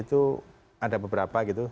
itu ada beberapa gitu